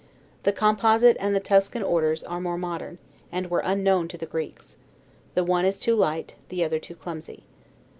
The Composite and the Tuscan orders are more modern, and were unknown to the Greeks; the one is too light, the other too clumsy.